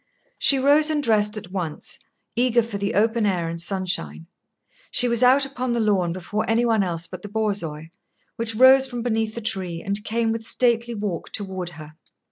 She rose and dressed at once, eager for the open air and sunshine. She was out upon the lawn before any one else but the Borzoi, which rose from beneath a tree and came with stately walk toward her.